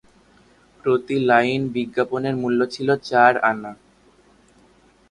প্রতি লাইন বিজ্ঞাপনের মূল্য ছিল চার আনা।